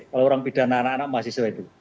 kalau orang pidana anak anak mahasiswa itu